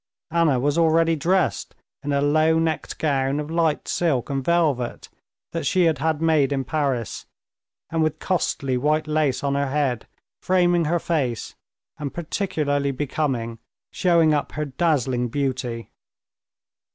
Anna was already dressed in a low necked gown of light silk and velvet that she had had made in Paris, and with costly white lace on her head, framing her face, and particularly becoming, showing up her dazzling beauty.